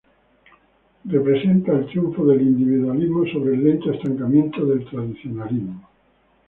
Representa el triunfo del individualismo sobre el lento estancamiento del tradicionalismo.